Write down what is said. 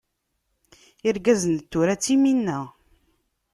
Irgazen n tura d ttimina.